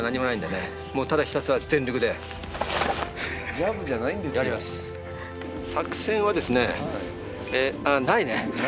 ジャブじゃないんですよ。